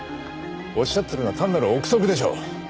仰ってるのは単なる憶測でしょう。